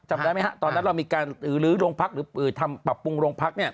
จำได้ไหมฮะตอนนั้นเรามีการลื้อโรงพักหรือทำปรับปรุงโรงพักเนี่ย